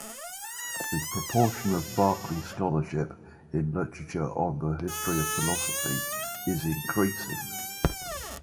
The proportion of Berkeley scholarship, in literature on the history of philosophy, is increasing.